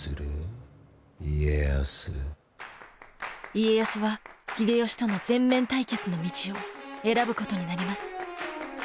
家康は秀吉との全面対決の道を選ぶことになります。